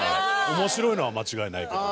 面白いのは間違いないけど。